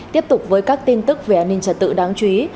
tiếp tục với các tin tức về an ninh trật tự đáng chú ý